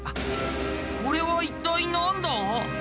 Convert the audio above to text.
これは一体何だ？